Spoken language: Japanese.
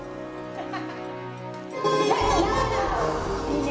アハハハ。